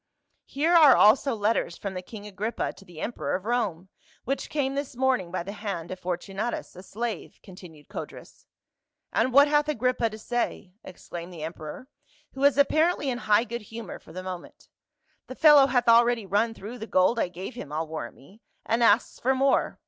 " Here are also letters from the king Agrippa to the emperor of Rome, which came this morning by the hand of Fortunatus, a slave," continued Codrus. "And what hath Agrippa to say?" exclaimed the emperor, who was apparently in high good humor for the moment. " The fellow hath already run through the gold I gave him I'll warrant me, and asks for more.